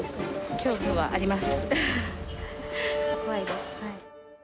恐怖はあります。